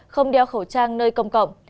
không đeo khẩu trang nơi công cộng